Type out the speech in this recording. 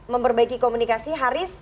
memperbaiki komunikasi haris